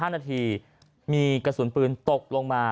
๕นาทีมีกระสุนปืนตกลงมา